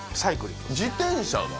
自転車が？